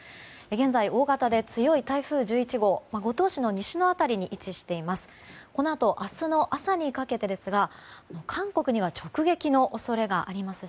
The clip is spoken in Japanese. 現在、大型で強い台風１１号五島市の西の辺りに位置しています。